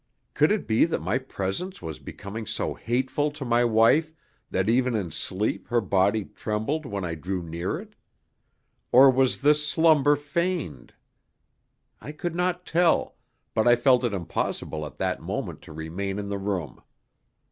Could it be that my presence was becoming so hateful to my wife that even in sleep her body trembled when I drew near it? Or was this slumber feigned? I could not tell, but I felt it impossible at that moment to remain in the room.